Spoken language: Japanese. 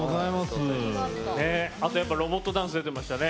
あと、ロボットダンス出てましたよね。